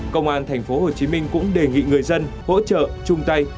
công an tp hcm cũng đề nghị người dân hỗ trợ chung tay